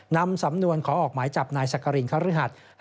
นำสำนวนขอออกหมายจับนายศักรินครศรีธรรมราช